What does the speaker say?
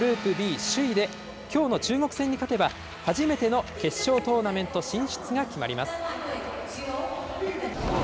グループＢ首位できょうの中国戦に勝てば、初めての決勝トーナメント進出が決まります。